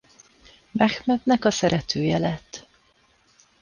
Mehmednek a szeretője lett.